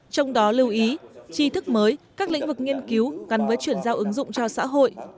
trong đó lưu ý tri thức mới các lĩnh vực nghiên cứu gắn với chuyển giao ứng dụng cho xã hội